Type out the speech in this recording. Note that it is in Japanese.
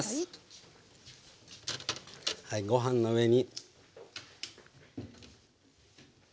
はいご飯の上に。